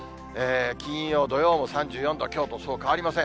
金曜、土曜も３４度、きょうとそう変わりません。